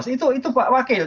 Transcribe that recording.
itu pak wakil